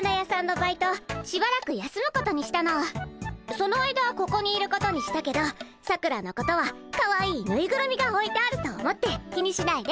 その間ここにいることにしたけどさくらのことはかわいいぬいぐるみがおいてあると思って気にしないで。